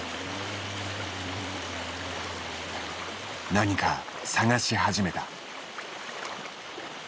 何か探し始めた。